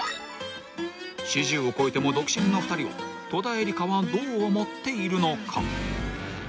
［４０を超えても独身の２人を戸田恵梨香はどう思っているのか］